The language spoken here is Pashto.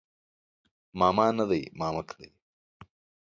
ماما نه دی مامک دی